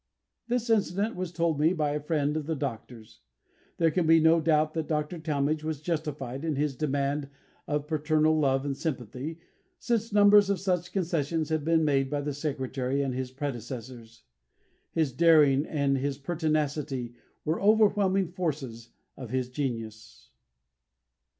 This incident was told me by a friend of the Doctor's. There can be no doubt that Dr. Talmage was justified in this demand of paternal love and sympathy, since numbers of such concessions had been made by the Secretary and his predecessors. His daring and his pertinacity were overwhelming forces of his genius.